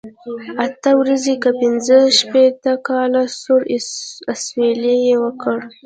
اته ورځې کم پنځه شپېته کاله، سوړ اسویلی یې وکړ.